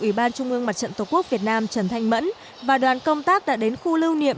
ủy ban trung ương mặt trận tổ quốc việt nam trần thanh mẫn và đoàn công tác đã đến khu lưu niệm